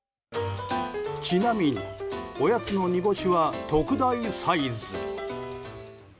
ちなみに、おやつの煮干しは特大サイズ。